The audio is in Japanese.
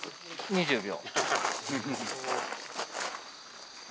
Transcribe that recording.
２０秒。